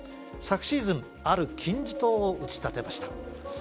昨シーズンある金字塔を打ち立てました。